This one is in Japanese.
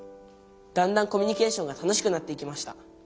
だんだんコミュニケーションが楽しくなっていきました。